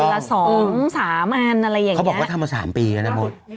ละสองสามอันอะไรอย่างนี้เขาบอกว่าทำมา๓ปีแล้วนะมด